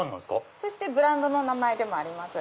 そしてブランドの名前でもあります。